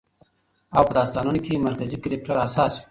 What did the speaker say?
او په داستانونو کې مرکزي کرکټر اساس وي